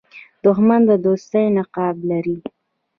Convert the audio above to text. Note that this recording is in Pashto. دښمن د دوستۍ نقاب لري